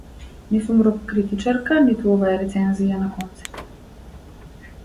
Не сум рок критичарка, ниту ова е рецензија на концерт.